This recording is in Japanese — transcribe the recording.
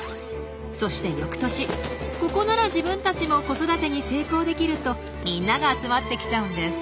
そして翌年「ここなら自分たちも子育てに成功できる！」とみんなが集まって来ちゃうんです。